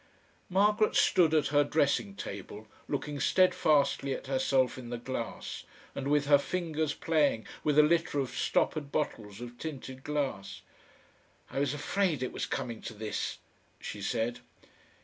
Margaret stood at her dressing table, looking steadfastly at herself in the glass, and with her fingers playing with a litter of stoppered bottles of tinted glass. "I was afraid it was coming to this," she said.